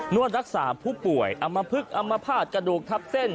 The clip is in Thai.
วดรักษาผู้ป่วยอำมพลึกอำมภาษณ์กระดูกทับเส้น